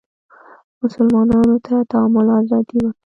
مسلمانانو ته تعامل ازادي وه